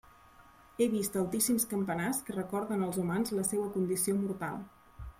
He vist altíssims campanars que recorden als humans la seua condició mortal.